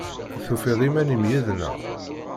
Tufiḍ iman-im yid-neɣ?